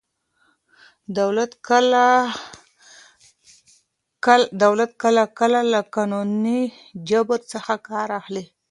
دولت کله کله له قانوني جبر څخه کار اخلي.